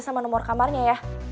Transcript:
sama nomor kamarnya ya